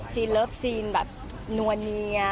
ซีนรัฐซีนแบบนวเนีย